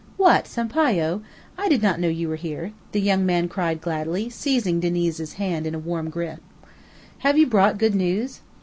"What, Sampayo! I did not know you were here," the young man cried gladly, seizing Diniz's hand in a warm grip. "Have you brought good news?"